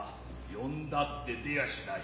呼んだつて出やしない。